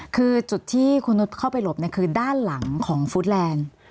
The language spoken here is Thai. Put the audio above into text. คือจุดที่คุณนุษย์เข้าไปหลบคือด้านหลังของฟู้ดแลนด์